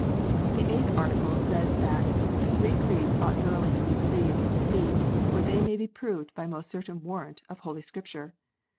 83 The Eighth Article says that "the three Creeds ought thoroughly to be believed and received, for they may be proved by most certain warranty of Holy Scripture."